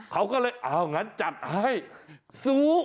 เขาก็เลยเอางั้นจัดให้สู้